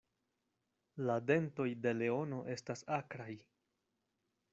La dentoj de leono estas akraj.